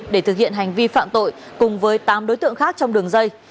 để thực hiện hành vi phạm tội cùng với tám đối tượng khác trong đường dây